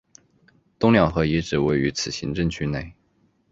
东两河遗址位于此行政区内。